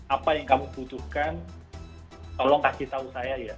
apa yang kamu butuhkan tolong kasih tahu saya ya